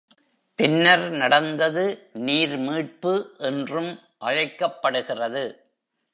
பின்னர் நடந்தது நீர் மீட்பு என்றும் அழைக்கப்படுகிறது.